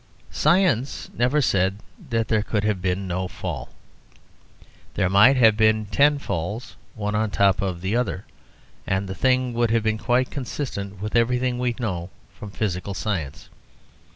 Science never said that there could have been no Fall. There might have been ten Falls, one on top of the other, and the thing would have been quite consistent with everything that we know from physical science.